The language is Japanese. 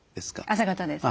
朝型です。